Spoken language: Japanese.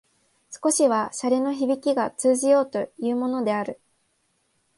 少しは洒落のひびきが通じようというものである